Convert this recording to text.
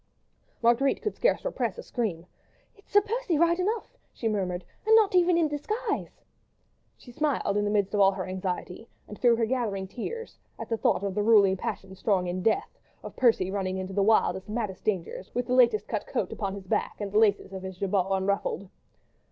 Marguerite could scarce repress a scream. "It's Sir Percy right enough," she murmured, "and not even in disguise!" She smiled, in the midst of all her anxiety and through her gathering tears, at thought of "the ruling passion strong in death"; of Percy running into the wildest, maddest dangers, with the latest cut coat upon his back, and the laces of his jabot unruffled.